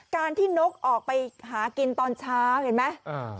การที่นกออกไปหากินตอนเช้าเห็นไหม